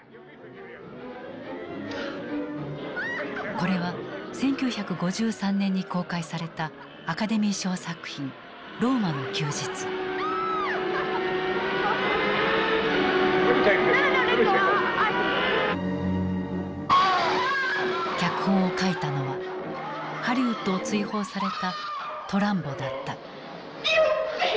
これは１９５３年に公開されたアカデミー賞作品脚本を書いたのはハリウッドを追放されたトランボだった。